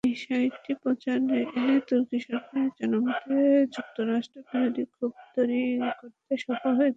বিষয়টি প্রচারে এনে তুর্কি সরকার জনমনে যুক্তরাষ্ট্রবিরোধী ক্ষোভ তৈরি করতে সফল হয়েছে।